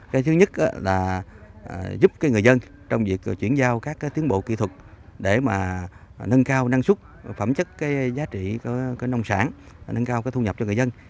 cái thứ nhất là giúp người dân trong việc chuyển giao các tiến bộ kỹ thuật để nâng cao năng suất phẩm chất giá trị nông sản nâng cao thu nhập cho người dân